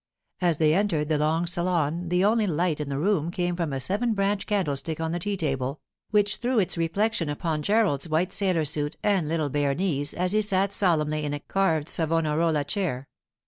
As they entered the long salon the only light in the room came from a seven branch candlestick on the tea table, which threw its reflection upon Gerald's white sailor suit and little bare knees as he sat back solemnly in a carved Savonarola chair.